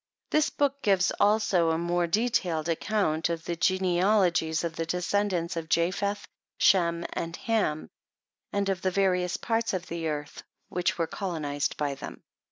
This book gives, also, a more de tailed account of the genealogies of the descendants of Japheth, Shem, and Ham, and of the various parts of the earth which w^ere colonized by them.